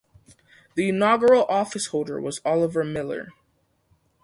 The inaugural office holder was Oliver Millar.